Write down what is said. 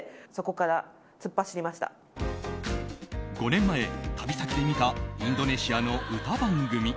５年前、旅先で見たインドネシアの歌番組。